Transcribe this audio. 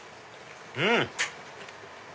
うん！